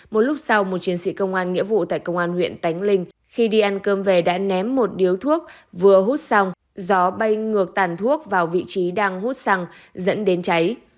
một lúc sau một chiến sĩ công an nghĩa vụ tại công an huyện tánh linh khi đi ăn cơm về đã ném một điếu thuốc vừa hút xong gió bay ngược tàn thuốc vào vị trí đang hút xăng dẫn đến cháy